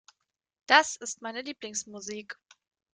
Das ist meine Lieblingsmusik.